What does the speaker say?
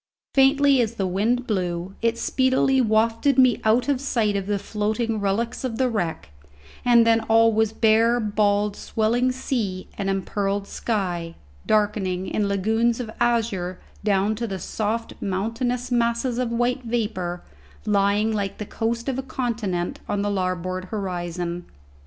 Faintly as the wind blew, it speedily wafted me out of sight of the floating relics of the wreck, and then all was bare, bald, swelling sea and empearled sky, darkening in lagoons of azure down to the soft mountainous masses of white vapour lying like the coast of a continent on the larboard horizon.